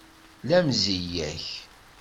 La mzeyya-k!